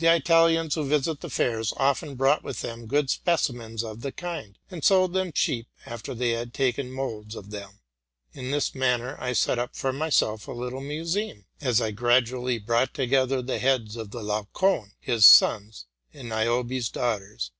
The Italians, who visit the fairs, often brought with them good specimens of the kind, and sold them cheap, after they had taken moulds of them. In this manner I set up for myself a little museum; as I gradually brought together the heads of the Laocoon, his sons, and Niobe's daughters.